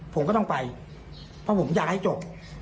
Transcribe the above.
ผมก็ต้องไปเพราะผมอยากให้จบ